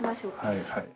はいはい。